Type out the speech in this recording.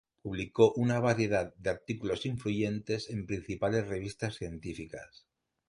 Publicó una variedad de artículos influyentes en principales revistas científicas.